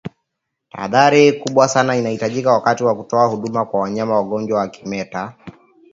Tahadhari kubwa sana inahitajika wakati wa kutoa huduma kwa wanyama wagonjwa wa kimeta